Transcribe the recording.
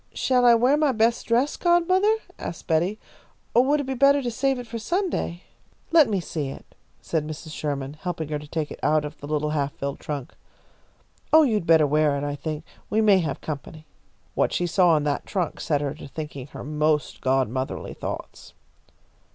"Shall I wear my best dress, godmother?" asked Betty, "or would it be better to save it for Sunday?" "Let me see it," said Mrs. Sherman, helping her to take it out of the little half filled trunk. "Oh, you'd better wear it, I think. We may have company." What she saw in that trunk set her to thinking her most godmotherly thoughts.